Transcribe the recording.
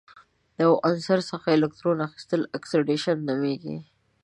له یو عنصر څخه د الکترون اخیستل اکسیدیشن نومیږي.